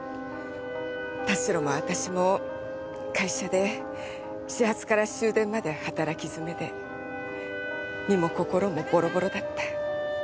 田代も私も会社で始発から終電まで働き詰めで身も心もボロボロだった。